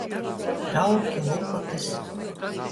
Trauki, lupotys.